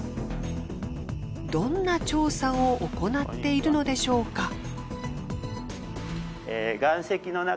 どんな調査を行っているのでしょうか？